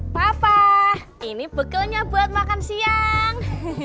papa ini bekelnya buat makan siang